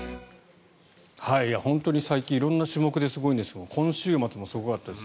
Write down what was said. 本当に最近色んな種目ですごいんですが今週末もすごかったです。